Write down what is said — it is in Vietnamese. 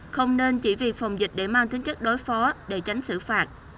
không nên chỉ vì phòng dịch để mang tính chất đối phó để tránh xử phạt